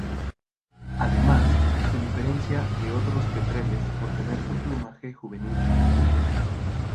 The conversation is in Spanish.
Además se diferencia de otros petreles por tener un plumaje juvenil distinto.